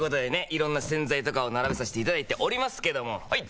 色んな洗剤とかを並べさせていただいておりますけどもはい！